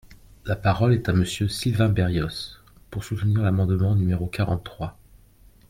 La parole est à Monsieur Sylvain Berrios, pour soutenir l’amendement numéro quarante-trois.